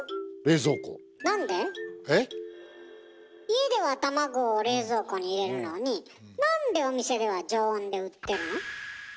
家では卵を冷蔵庫に入れるのになんでお店では常温で売ってるの？